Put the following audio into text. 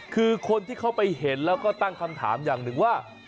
คือคนที่เข้าไปเห็นแล้วก็ตั้งคำถามอย่างหนึ่งว่า